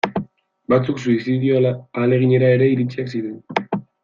Batzuk suizidio ahaleginera ere iritsiak ziren.